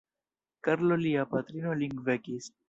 Karlo Lia patrino lin vekis.